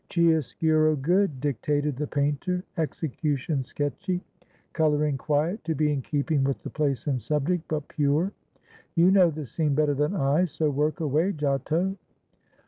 "Chiaroscuro good," dictated the painter; "execution sketchy; coloring quiet, to be in keeping with the place and subject, but pure. You know the scene better than I, so work away, Giotto.